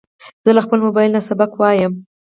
زه له خپل موبایل نه سبق لولم.